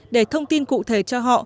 để thông tin cụ thể cho họ